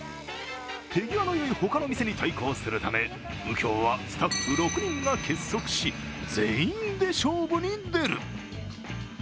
手際の良い他の店に対抗するため右京はスタッフ６人が結束し、全員で勝負に出る。